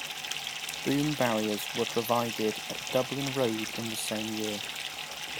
Boom barriers were provided at Dublin Road in the same year.